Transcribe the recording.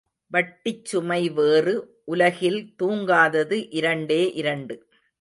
வட்டிச்சுமை வேறு, உலகில் தூங்காதது இரண்டே இரண்டு.